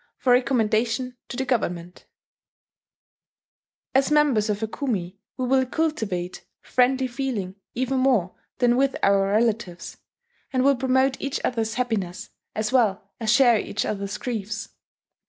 for recommendation to the government ...." "As members of a kumi we will cultivate friendly feeling even more than with our relatives, and will promote each other's happiness, as well as share each other's griefs.